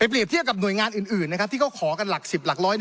เปรียบเทียบกับหน่วยงานอื่นที่เขาขอกันหลัก๑๐หลักร้อย